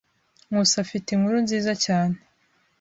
Nkusi afite inkuru nziza cyane.